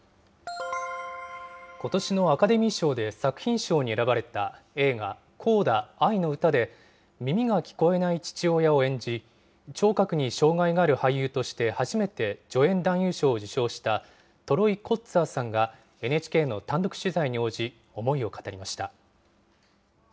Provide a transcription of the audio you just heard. ことしのアカデミー賞で作品賞に選ばれた映画、コーダあいのうたで、耳が聞こえない父親を演じ、聴覚に障害がある俳優として初めて、助演男優賞を受賞したトロイ・コッツァーさんがＮＨＫの単独取材に応じ、思いを語りました。